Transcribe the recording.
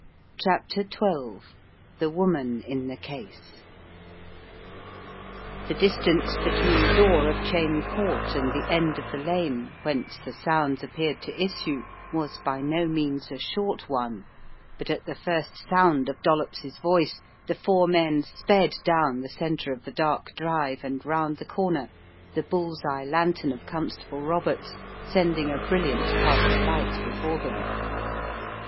CHAPTER XH THE WOMAN IN THE CASE THE distance between the door of Cheyne Court and the end of the lane, whence the sounds appeared to issue, was by no means a short one, but at the first sound of Dollops's voice the four men sped down the centre of the dark drive and round the corner, the bull's eye lantern of Constable Roberts sending a brilliant path of light before them.